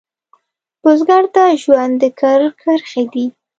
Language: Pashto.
بزګر ته ژوند د کر کرښې دي